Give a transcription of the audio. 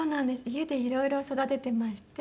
家でいろいろ育ててまして。